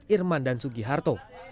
irman dan sugi harto